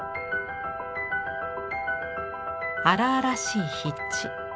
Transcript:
荒々しい筆致。